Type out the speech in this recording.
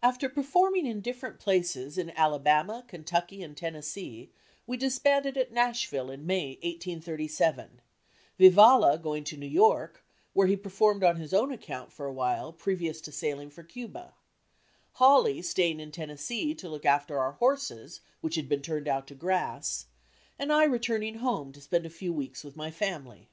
After performing in different places in Alabama, Kentucky, and Tennessee, we disbanded at Nashville in May, 1837, Vivalla going to New York, where he performed on his own account for a while previous to sailing for Cuba, Hawley staying in Tennessee to look after our horses which had been turned out to grass, and I returning home to spend a few weeks with my family.